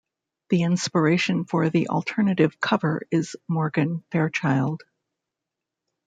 The inspiration for the alternative cover is Morgan Fairchild.